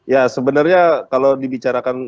ya sebenarnya kalau dibicarakan